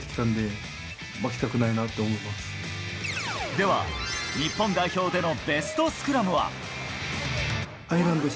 では、日本代表でのベストスクラムは？